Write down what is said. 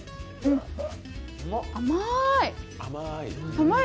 甘い！